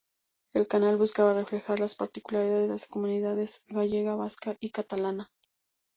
El canal buscaba reflejar las particularidades de las comunidades gallega, vasca y catalana.